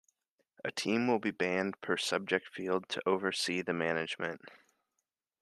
A team will be banded per subject field to oversee the management.